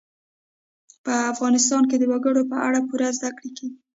په افغانستان کې د وګړي په اړه پوره زده کړه کېږي.